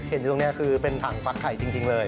อยู่ตรงนี้คือเป็นถังฟักไข่จริงเลย